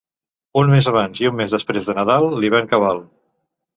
Un mes abans i un mes després de Nadal, l'hivern cabal.